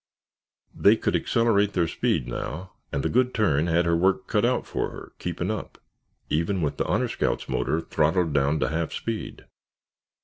They could accelerate their speed now and the Good Turn had her work cut out for her keeping up, even with the Honor Scout's motor throttled down to half speed.